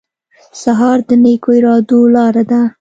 سهار د نیکو ارادو لاره ده.